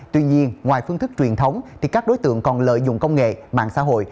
tuy nhiên ngoài phương thức truyền thống thì các đối tượng còn lợi dụng công nghệ mạng xã hội